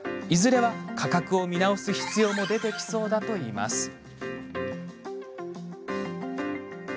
いずれは価格を見直す必要も出てきそうだといいます。